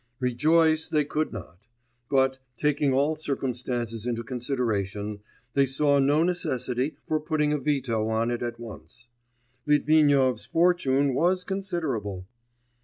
Rejoice they could not; but, taking all circumstances into consideration, they saw no necessity for putting a veto on it at once. Litvinov's fortune was considerable....